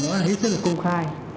ngoài bộ của nó là hết sức là công khai